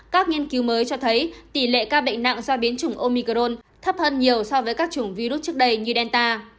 các nghiên cứu mới cho thấy tỷ lệ ca bệnh nặng do biến chủng omicrone thấp hơn nhiều so với các chủng virus trước đây như delta